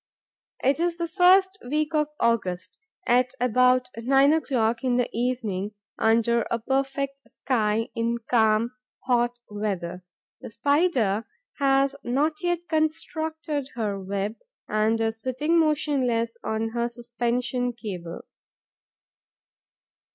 It is the first week of August, at about nine o'clock in the evening, under a perfect sky, in calm, hot weather. The Spider has not yet constructed her web and is sitting motionless on her suspension cable.